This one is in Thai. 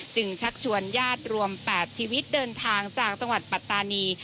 ชักชวนญาติรวม๘ชีวิตเดินทางจากจังหวัดปัตตานี